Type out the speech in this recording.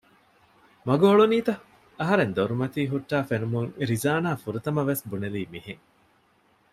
މަގު އޮޅުނީތަ؟ އަހަރެން ދޮރުމަތީ ހުއްޓައި ފެނުމުން ރިޒާނާ ފުރަތަމަ ވެސް ބުނެލީ މިހެން